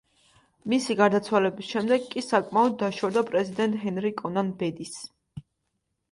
მისი გარდაცვალების შემდეგ კი საკმაოდ დაშორდა პრეზიდენტ ჰენრი კონან ბედის.